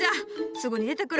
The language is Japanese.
すぐに出てくる。